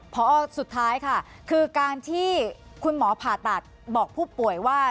พอสุดท้ายค่ะคือการที่คุณหมอผ่าตัดบอกผู้ป่วยว่า